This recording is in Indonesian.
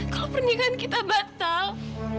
kalau pernikahan kita batal